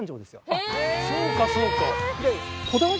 あっそうかそうか。